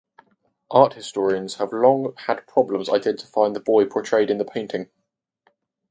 Art historians have long had problems identifying the boy portrayed in the painting.